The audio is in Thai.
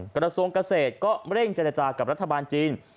กระทรวงเกษตรก็เร่งเจรจากับรัฐบาลจีน